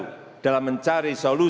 sebuahfare pintar baru